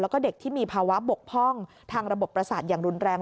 แล้วก็เด็กที่มีภาวะบกพร่องทางระบบประสาทอย่างรุนแรง